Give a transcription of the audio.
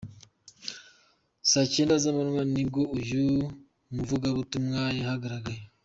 Saa cyenda z’ amanywa nibwo uyu muvugabutumwa yahagaragaraye.